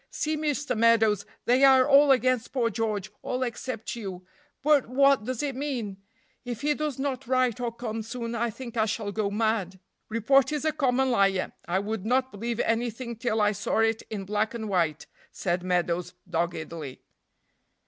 "See, Mr. Meadows, they are all against poor George, all except you. But what does it mean? if he does not write or come soon I think I shall go mad." "Report is a common liar; I would not believe anything till I saw it in black and white," said Meadows, doggedly.